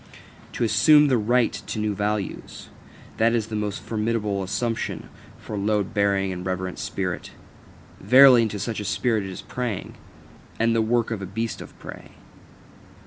To assume the right to new values that is the most formidable assumption for a load bearing and reverent spirit. Verily, unto such a spirit it is preying, and the work of a beast of prey.